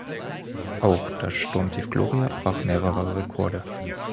Auch das Sturmtief Gloria brach mehrere Rekorde.